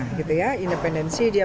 independensi dia meninggalkan